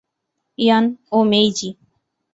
ইয়ান, ও মেইজি।